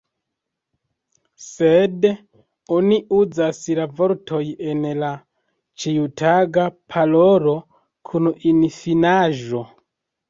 Sed oni uzas la vortoj en la ĉiutaga parolo kun -in-finaĵo.